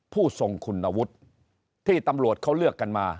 ผู้ทรงคุณวุฒิที่ตำรวจเขาเลือกกันมา